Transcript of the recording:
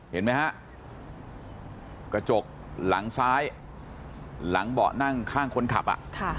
เห็นไหมฮะกระจกหลังซ้ายหลังเบาะนั่งข้างคนขับอ่ะ